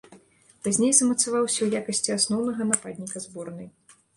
Пазней замацаваўся ў якасці асноўнага нападніка зборнай.